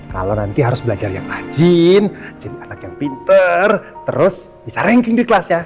kalau nanti harus belajar yang rajin jadi anak yang pinter terus bisa ranking di kelas ya